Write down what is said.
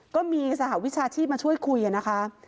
ก็มีสหวิชาชีพมาช่วยคุยนะคะ